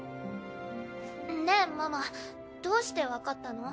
ねぇママどうしてわかったの？